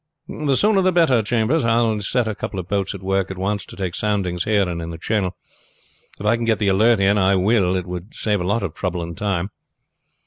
"The sooner the better, Chambers. I will set a couple of boats at work at once to take soundings here and in the channel. If I can get the Alert in I will; it would save a lot of trouble and time."